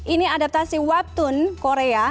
ini adaptasi waptune korea